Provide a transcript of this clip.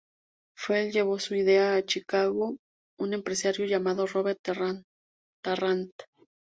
Felt llevó su idea a Chicago, a un empresario llamado Robert Tarrant.